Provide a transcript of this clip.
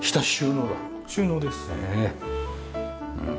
うん。